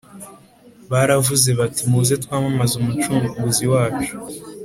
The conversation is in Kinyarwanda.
baravuze bati muze twamamaze umucunguzi wacu